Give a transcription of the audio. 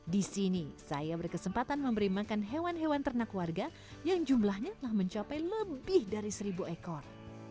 di sini saya berkesempatan memberi makan hewan hewan ternak warga yang jumlahnya telah mencapai lebih dari seribu ekor